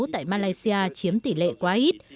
tại malaysia chiếm tỷ lệ quá ít